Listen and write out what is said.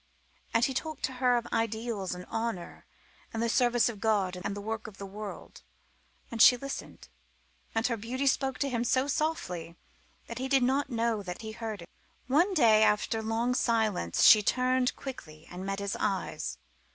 And he talked to her of ideals and honour and the service of God and the work of the world. And she listened, and her beauty spoke to him so softly that he did not know that he heard. One day after long silence she turned quickly and met his eyes.